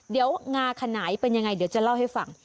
เดี๋ยวงาขนายเป็นยังไงเดี๋ยวจะเล่าให้ฟัง